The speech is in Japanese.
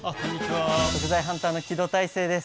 食材ハンターの木戸大聖です。